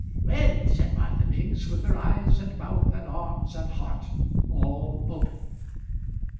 "Well!" said Martha Biggs, with her eyes, and mouth, and arms, and heart all open.